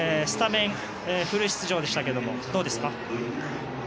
スタメンフル出場でしたがどうですか？